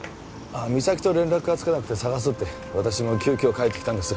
実咲と連絡がつかなくて捜すって私も急きょ帰ってきたんです